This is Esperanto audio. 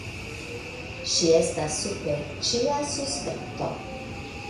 Ŝi estas super ĉia suspekto.